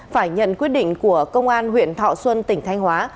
phải nhận quyết định của công an huyện thọ xuân tỉnh thanh hóa